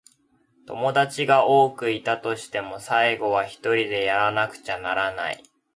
友達が多くいたとしても、最後にはひとりでやらなくちゃならない。